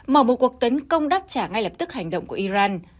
mở một cuộc tấn công đáp trả ngay lập tức hành động của iran